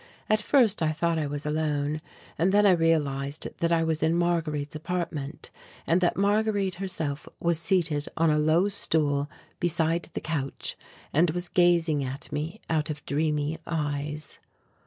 At first I thought I was alone and then I realized that I was in Marguerite's apartment and that Marguerite herself was seated on a low stool beside the couch and gazing at me out of dreamy eyes.